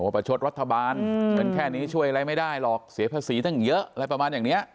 ประชดรัฐบาลเงินแค่นี้ช่วยอะไรไม่ได้หรอกเสียภาษีตั้งเยอะอะไรประมาณอย่างนี้